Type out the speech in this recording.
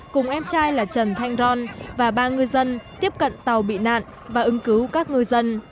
cùng em trai là trần thanh ron và ba ngư dân tiếp cận tàu bị nạn và ứng cứu các ngư dân